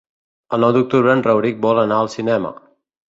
El nou d'octubre en Rauric vol anar al cinema.